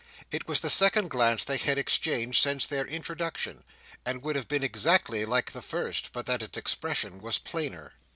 It was the second glance they had exchanged since their introduction; and would have been exactly like the first, but that its expression was plainer.